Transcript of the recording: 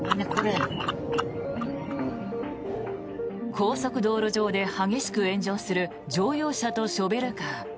高速道路上で激しく炎上する乗用車とショベルカー。